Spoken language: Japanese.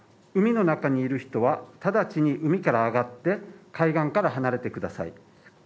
海の中にいる人は直ちに海から上がって海岸から離れてください。